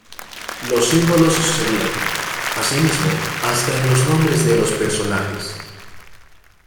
Los símbolos se sucedían, asimismo, hasta en los nombres de los personajes.